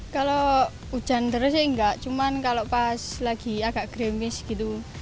kalau hujan deras ya enggak cuma kalau pas lagi agak grimis gitu